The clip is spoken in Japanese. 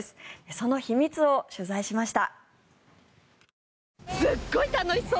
その秘密を取材しました。